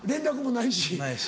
ないし。